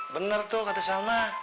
bener tuh kata salma